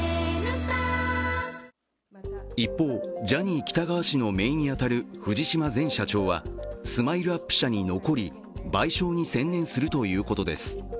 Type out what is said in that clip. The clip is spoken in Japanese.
一方、ジャニー喜多川氏のめいに当たる藤島前社長は、ＳＭＩＬＥ−ＵＰ．社に残り、賠償に専念するということです。